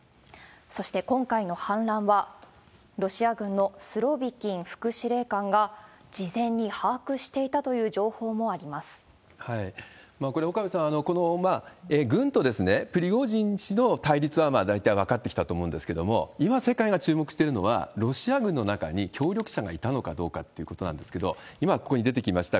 そして今回の反乱は、ロシア軍のスロビキン副司令官が、事前に把握していたという情報もこれ、岡部さん、この軍とプリゴジン氏の対立は大体分かってきたと思うんですけれども、今、世界が注目してるのは、ロシア軍の中に協力者がいたのかどうかってことなんですけれども、今、ここに出てきました